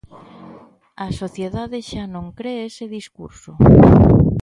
A sociedade xa non cre ese discurso.